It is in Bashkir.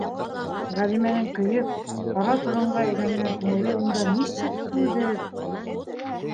Ғәлимәнең көйөп, ҡара торонға әйләнгән күңеле унда нисек түҙер?!